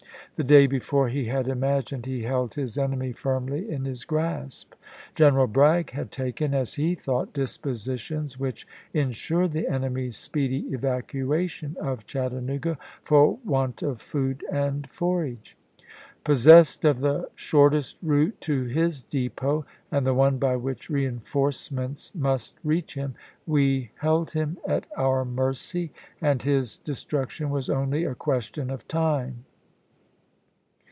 The day before he had imagined he held his enemy firmly in his grasp. General Bragg had taken, as he thought, dispositions which "insured the enemy's speedy evacuation of Chattanooga for want of food R?port of ^^^ forage. Possessed of the shortest route to his SSSga! depot, and the one by which reeuforcements must voi^xxx., reach him, we held him at our mercy, and his de vp.^36!^ii struction was only a question of time."